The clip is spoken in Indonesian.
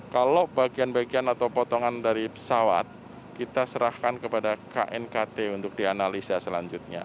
kalau bagian bagian atau potongan dari pesawat kita serahkan kepada knkt untuk dianalisa selanjutnya